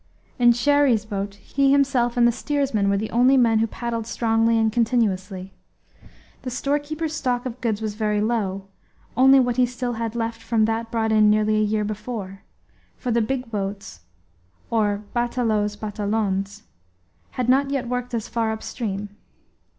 In Cherrie's boat he himself and the steersman were the only men who paddled strongly and continuously. The storekeeper's stock of goods was very low, only what he still had left from that brought in nearly a year before; for the big boats, or batelaos batelons had not yet worked as far up stream.